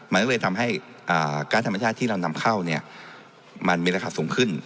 มันก็เลยทำให้การ์ดธรรมชาติที่เรานำเข้าเนี่ยมันมีราคาสูงขึ้น